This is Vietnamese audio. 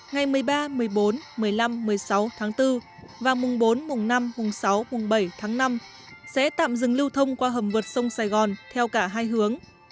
ngày một mươi ba một mươi bốn một mươi năm một mươi sáu tháng bốn và mùng bốn mùng năm mùng sáu mùng bảy tháng năm sẽ tạm dừng lưu thông qua hầm vượt sông sài gòn theo cả hai hướng